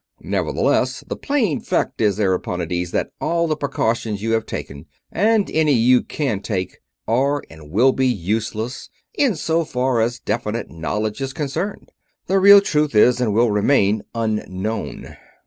Nevertheless the plain fact is, Ariponides, that all the precautions you have taken, and any you can take, are and will be useless insofar as definite knowledge is concerned. The real truth is and will remain unknown."